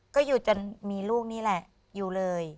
ก็อยู่จนมีลูกนี่แหละอยู่เลย